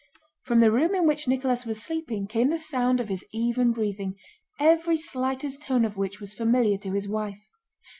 From the room in which Nicholas was sleeping came the sound of his even breathing, every slightest tone of which was familiar to his wife.